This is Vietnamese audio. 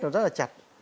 nó rất là chặt